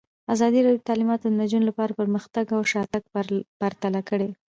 ازادي راډیو د تعلیمات د نجونو لپاره پرمختګ او شاتګ پرتله کړی.